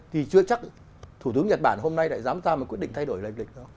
thì chưa chắc thủ tướng nhật bản hôm nay lại dám sao mà quyết định thay đổi lệnh lịch đó